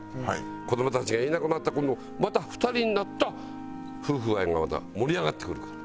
子どもたちがいなくなったら今度２人になった夫婦愛がまた盛り上がってくるから。